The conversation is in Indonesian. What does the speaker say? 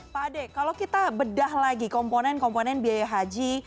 pak ade kalau kita bedah lagi komponen komponen biaya haji